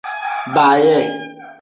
Baye.